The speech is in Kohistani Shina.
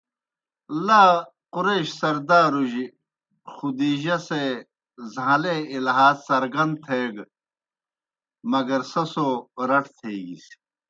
لا قُریش سردارُجیْ خدیجہؓ سے زہان٘لے اِلہا څرگن تھیگہ مگر سہ سو رٹ تھیگِس۔